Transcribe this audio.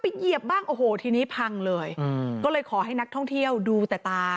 เหยียบบ้างโอ้โหทีนี้พังเลยอืมก็เลยขอให้นักท่องเที่ยวดูแต่ตา